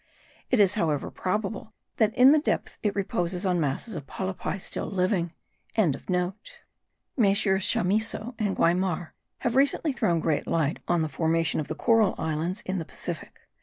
It is, however, probable, that in the depth it reposes on masses of polypi still living.) MM. Chamiso and Guiamard have recently thrown great light on the formation of the coral islands in the Pacific.